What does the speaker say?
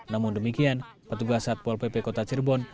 namun demikian petugas satpol pp kota cirebon